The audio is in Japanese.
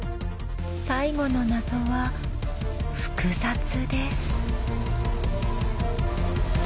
最後の謎は複雑です。